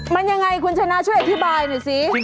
มันยังไงคุณชนะช่วยอธิบายหน่อยสิ